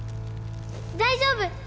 大丈夫。